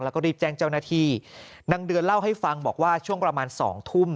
แล้วก็รีบแจ้งเจ้าหน้าที่นางเดือนเล่าให้ฟังบอกว่าช่วงประมาณสองทุ่ม